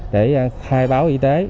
để khai báo y tế